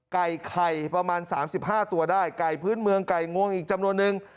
ไก่ไข่ประมาณ๓๕ตัวได้ไก่พื้นเมืองไก่งวงอีกจำนวนนึง